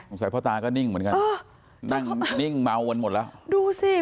ใส่พ่อตาก็นิ่งเหมือนกันนั่งนิ่งเมากันหมดแล้วดูสิ